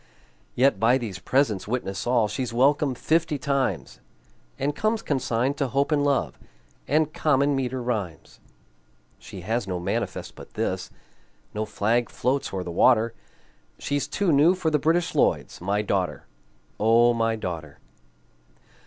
Yet by these presents witness all She's welcome fifty times, And comes consigned to Hope and Love And common meter rhymes. She has no manifest but this, No flag floats o'er the water, She's too new for the British Lloyds My daughter, O my daughter!